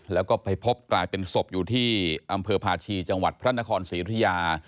แล้วก็ไปพบกลายเป็นศพอยู่ที่อำเภอพาชีจังหวัดพระนครศรีอุทยา